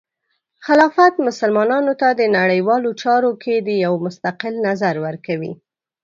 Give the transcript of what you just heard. خلافت مسلمانانو ته د نړیوالو چارو کې د یو مستقل نظر ورکوي.